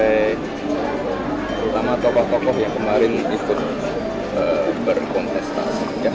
terutama tokoh tokoh yang kemarin itu berkomunikasi